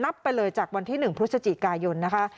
ไปเลยจากวันที่๑พฤศจิกายนนะคะ